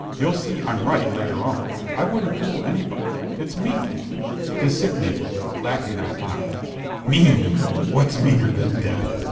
You'll see I'm right later on. I wouldn't fool anybody. It's mean. THE SICK MAN (laughing out loud) Mean! What's meaner than Death?